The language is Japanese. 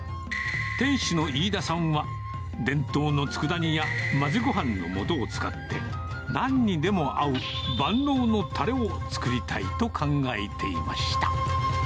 店主の飯田さんは、伝統のつくだ煮や混ぜごはんのもとを使って、なんにでも合う万能のたれを作りたいと考えていました。